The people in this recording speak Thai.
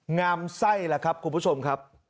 งามไส้ล่ะครับคุณผู้ชมครับ